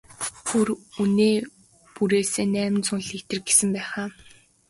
Бүр үнээ бүрээсээ найман зуун литр гэсэн байх аа?